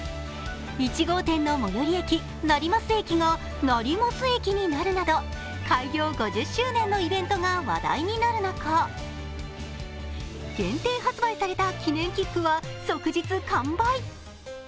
１号店の最寄り駅・成増駅がなりもす駅になるなど、開業５０周年のイベントが話題になる中、限定発売された記念切符は即日完売。